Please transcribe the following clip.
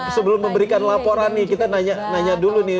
sebelum memberikan laporan nih kita nanya nanya dulu nih